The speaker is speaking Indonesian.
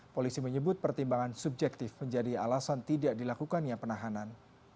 polisi menyebut pertimbangan subjektif menjadi alasan tidak dilakukannya penahanan